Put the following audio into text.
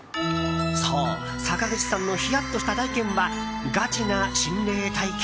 そう、坂口さんのヒヤッとした体験はガチな心霊体験。